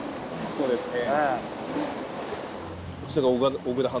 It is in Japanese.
そうですね。